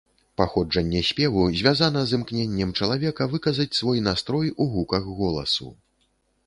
Паходжанне спеву звязана з імкненнем чалавека выказаць свой настрой у гуках голасу.